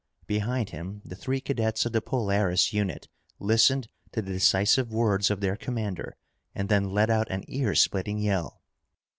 Behind him, the three cadets of the Polaris unit listened to the decisive words of their commander and then let out an earsplitting yell.